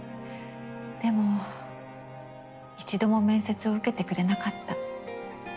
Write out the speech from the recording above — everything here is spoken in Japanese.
でも１度も面接を受けてくれなかった。